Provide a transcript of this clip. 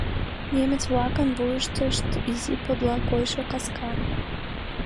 Немец-влакын вуйыштышт изи подла койшо каска.